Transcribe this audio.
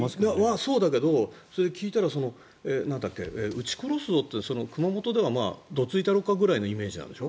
そうだけどでもうち殺すぞって、熊本ではどついたろかくらいのイメージなんでしょ？